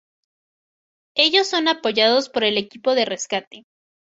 Ellos son apoyados por el Equipo de Rescate.